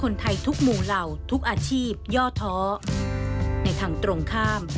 ในทางตรงข้าม